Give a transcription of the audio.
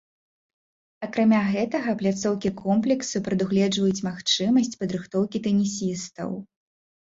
Акрамя гэтага, пляцоўкі комплексу прадугледжваюць магчымасць падрыхтоўкі тэнісістаў.